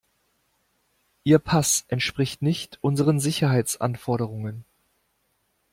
Ihr Pass entspricht nicht unseren Sicherheitsanforderungen.